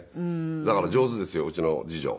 だから上手ですようちの次女は。